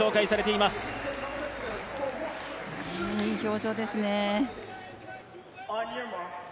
いい表情ですね。